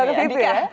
belok ke situ ya